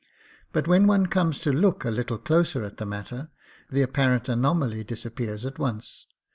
But when one comes to look a little closer at the matter, the apparent anomaly disappears at once.